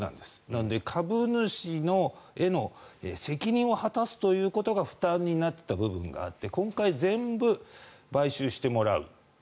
なので、株主への責任を果たすということが負担になっていた部分があって今回、全部買収してもらう。